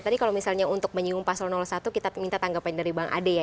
tadi kalau misalnya untuk menyinggung pasal satu kita minta tanggapan dari bang ade ya